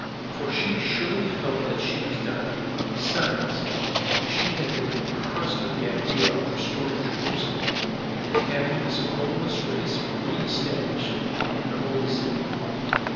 For she surely felt that she was dying. Besides, she had been impressed with the idea of restoring Jerusalem and having this homeless race re established in the holy city.